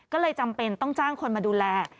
ก็เลยจำเป็นต้องจ้างคนมาดูแล